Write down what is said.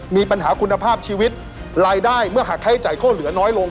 มีปัญหาคุณภาพชีวิตรายได้เมื่อหากค่าใช้จ่ายก็เหลือน้อยลง